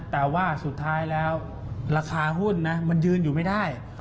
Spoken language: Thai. แต่ว่าสุดท้ายแล้วราคาหุ้นนะมันยืนอยู่ไม่ได้